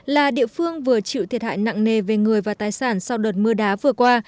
là địa phương vừa chịu thiệt hại nặng nề về người và tài sản sau đợt mưa đá vừa qua